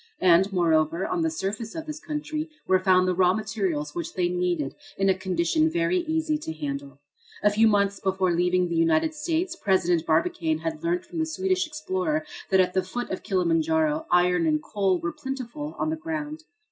And, moreover, on the surface of this country were found the raw materials which they needed in a condition very easy to handle. A few months before leaving the United States President Barbicane had learnt from the Swedish explorer that at the foot of Kilimanjaro iron and coal were plentiful on the ground.